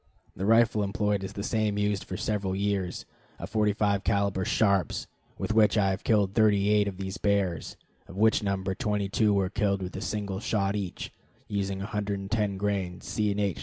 The rifle employed is the same used for several years, a 45 caliber Sharps, with which I have killed thirty eight of these bears, of which number twenty two were killed with a single shot each, using 110 grains C. & H.